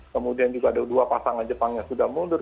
kemudian juga ada dua pasangan jepang yang sudah mundur